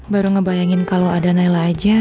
baru ngebayangin kalau ada naila aja